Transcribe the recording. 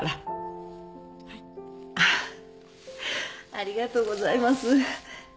ありがとうございます。